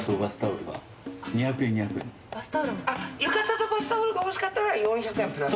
浴衣とバスタオルが欲しかったら４００円プラス？